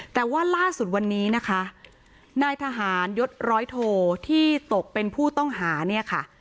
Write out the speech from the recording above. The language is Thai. แต่ว่าล่าสุดวันนี้นะคะนายทหารยศร้อยโทที่ตกเป็นผู้ต้องหาเนี่ยค่ะ